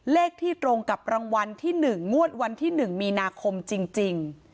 เลขที่ตรงกับรางวัลที่๑งวดวันที่๑มีนาคมจริง